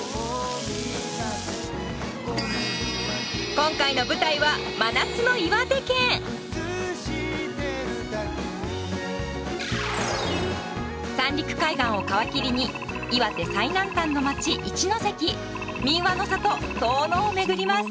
今回の舞台は三陸海岸を皮切りに岩手最南端の町一関民話の里遠野を巡ります。